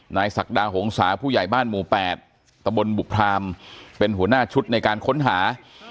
ศักดาหงษาผู้ใหญ่บ้านหมู่๘ตะบนบุพรามเป็นหัวหน้าชุดในการค้นหา